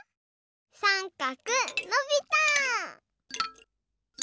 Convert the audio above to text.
さんかくのびた！